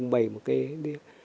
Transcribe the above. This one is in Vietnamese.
bày một cái